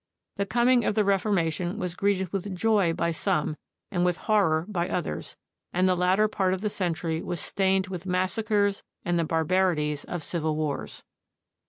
The coming of the Reformation was greeted with joy by some and with horror by others, and the latter part of the century was stained with massacres and the barbarities of civil wars.